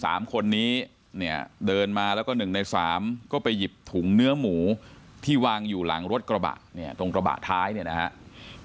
สามคนนี้เนี่ยเดินมาแล้วก็หนึ่งในสามก็ไปหยิบถุงเนื้อหมูที่วางอยู่หลังรถกระบะเนี่ยตรงกระบะท้ายเนี่ยนะครับ